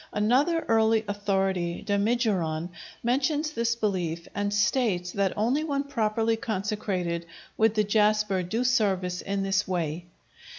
Another early authority, Damigeron, mentions this belief, and states that only when properly consecrated would the jasper do service in this way.